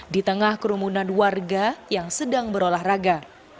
di tengah kerumunan warga yang sedang berolah raga